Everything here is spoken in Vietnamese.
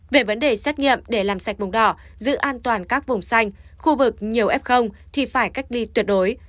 về vấn đề xét nghiệm để làm sạch vùng đỏ giữ an toàn các vùng xanh khu vực nhiều f thì phải cách ly tuyệt đối